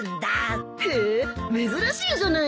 へえ珍しいじゃないか。